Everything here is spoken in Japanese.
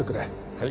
はい